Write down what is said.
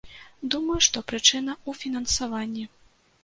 Думаю, што прычына ў фінансаванні.